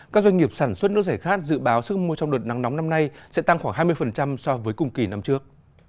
các doanh nghiệp sản xuất nước giải khát dự báo sức mua trong đợt nắng nóng năm nay sẽ tăng khoảng hai mươi so với cùng kỳ năm trước